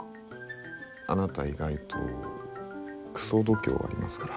あなた意外とくそ度胸ありますから。